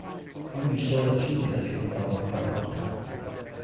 این بیشتر از چیزی است که بتوانم پرداخت کنم.